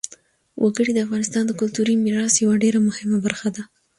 وګړي د افغانستان د کلتوري میراث یوه ډېره مهمه برخه ده.